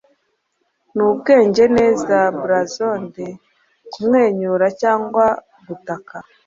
Nubwenge neza blazond kumwenyura cyangwa gutaka